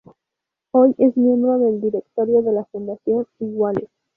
Hoy es miembro del directorio de la Fundación Iguales.